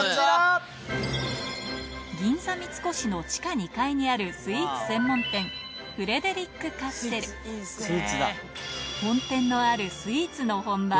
銀座三越の地下２階にあるスイーツ専門店本店のあるスイーツの本場